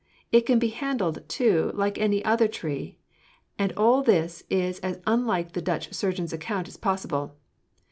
It can be handled, too, like any other tree; and all this is as unlike the Dutch surgeon's account as possible.